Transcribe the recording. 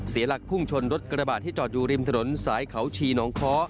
เสียหลักพุ่งชนรถกระบาดที่จอดอยู่ริมถนนสายเขาชีน้องค้อ